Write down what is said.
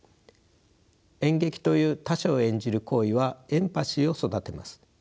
演劇という他者を演じる行為はエンパシーを育てます。